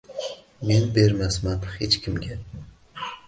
Men bermasman hech kimga.